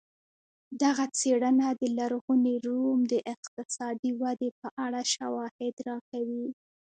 دغه څېړنه د لرغوني روم د اقتصادي ودې په اړه شواهد راکوي